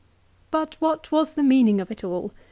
" But what was the meaning of it all